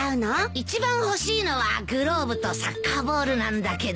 一番欲しいのはグラブとサッカーボールなんだけど。